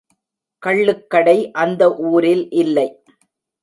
கள்ளுக்கடை அந்த ஊரில் இல்லை.